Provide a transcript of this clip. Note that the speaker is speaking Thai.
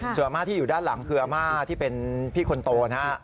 ส่วนอาม่าที่อยู่ด้านหลังคืออาม่าที่เป็นพี่คนโตนะฮะ